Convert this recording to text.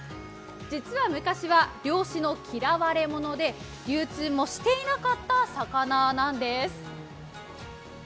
実は昔は漁師の嫌われ者で流通もしていなかった魚なんです。